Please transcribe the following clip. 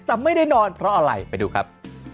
แต่ไม่ได้นอนเพราะอะไรไปดูครับ